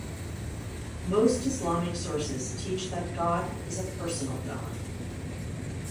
Most Islamic sources teach that God is a personal God.